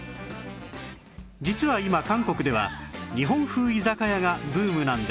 実は今韓国では日本風居酒屋がブームなんです